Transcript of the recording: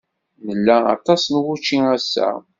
Nla aṭas n wučči ass-a.